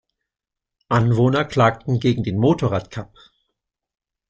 Anwohner klagten gegen den Motorrad-Cup.